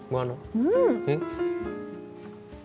うん！